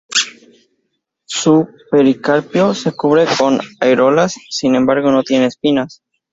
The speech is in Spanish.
Su pericarpio se cubre con areolas, sin embargo, no tiene espinas.